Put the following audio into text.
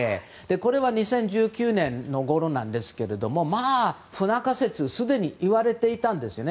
これは２０１９年ごろなんですけれども不仲説はすでに言われていたんですよね。